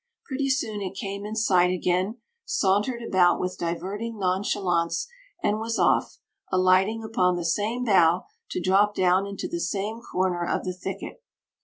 Pretty soon it came in sight again, sauntered about with diverting nonchalance, and was off, alighting upon the same bough to drop down into the same corner of the thicket.